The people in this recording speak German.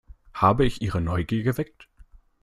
Habe ich Ihre Neugier geweckt?